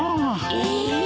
え。